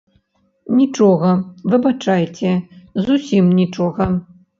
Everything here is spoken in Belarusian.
Нічога, выбачайце, зусім нічога.